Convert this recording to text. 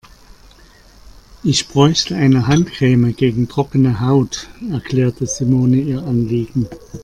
Ich bräuchte eine Handcreme gegen trockene Haut, erklärte Simone ihr Anliegen.